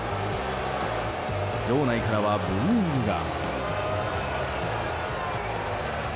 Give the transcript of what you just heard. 場内からはブーイングが。